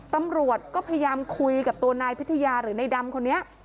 ตำรวจก็พยายามคุยกับตัวนายพิทยาหรือในดำคนนี้